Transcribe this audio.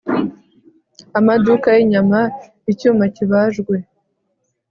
amaduka y'inyama! icyuma kibajwe